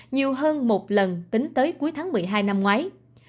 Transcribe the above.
nhiều hơn một lần tính tới cuối tháng một mươi hai năm ngoái